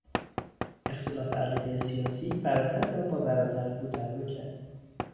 اختلاف عقیدهی سیاسی برادر را با برادر رو در رو کرد.